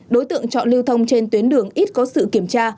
đối tượng chọn lưu thông trên tuyến đường ít có sự kiểm tra